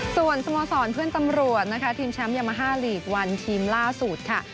ส่วนสโมสรเพื่อนตำรวจนะคะทีมแชมป์ยามาฮาลีกวันทีมล่าสุดค่ะ